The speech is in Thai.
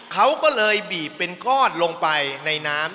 เขาก็เลยบีบเป็นก้อนลงไปในน้ำ